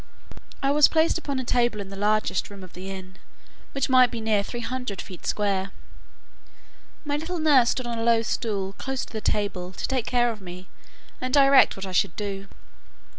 I was placed upon a table in the largest room of the inn, which might be near three hundred feet square. My little nurse stood on a low stool close to the table, to take care of me, and direct what I should do.